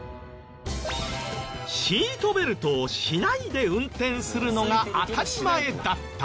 シートベルトをしないで運転するのが当たり前だった。